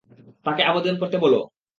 তাকে আবেদন করতে বলো।